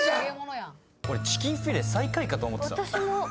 俺チキンフィレ最下位かと思ってた。